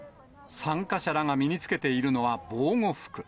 参加者らが身につけているのは防護服。